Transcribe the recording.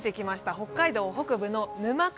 北海道北部の沼川